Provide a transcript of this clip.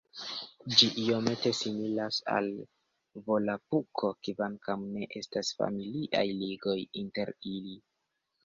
Ĝi iomete similas al Volapuko kvankam ne estas familiaj ligoj inter ili.